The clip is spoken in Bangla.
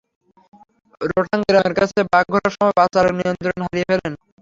রোটাং গ্রামের কাছে বাঁক ঘোরার সময় বাসের চালক নিয়ন্ত্রণ হারিয়ে ফেলেন।